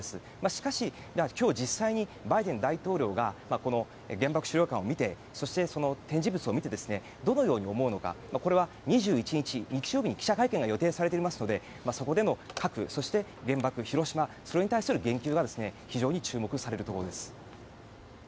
しかし今日、実際にバイデン大統領がこの原爆資料館を見てそして展示物を見てどのように思うのかこれは２１日、日曜日に記者会見が予定されていますのでそこでの核、そして原爆、広島それに対する言及が非常に注目されるところです。